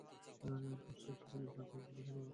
দুষ্টু একটা ছেলের সামনে একটা গ্যাসে ভরা বেলুন রাখা যাক।